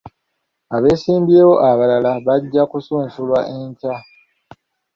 Abeesimbyewo abalala bajja kusunsulwa enkya.